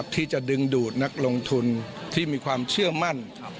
ที่จะดึงดูดนักลงทุนที่มีความเชื่อมั่น